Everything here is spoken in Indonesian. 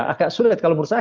agak sulit kalau menurut saya